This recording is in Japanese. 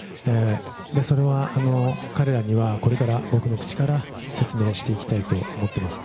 それは、彼らにはこれから、僕の口から説明していきたいと思ってます。